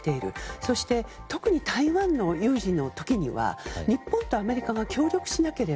そして、特に台湾の有事の時には日本とアメリカが協力しなければ